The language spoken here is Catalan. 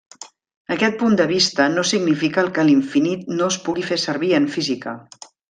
Aquest punt de vista no significa que l'infinit no es pugui fer servir en física.